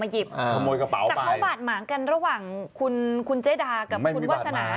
จะเข้าบาดหมางกันระหว่างคุณเจ๊ดากับคุณวษณะ